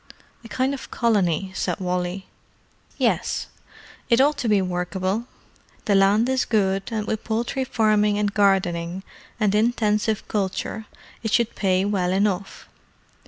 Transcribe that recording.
"A kind of colony," said Wally. "Yes. It ought to be workable. The land is good, and with poultry farming, and gardening, and intensive culture, it should pay well enough.